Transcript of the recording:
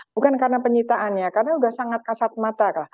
bukan karena penyitaannya karena sudah sangat kasat mata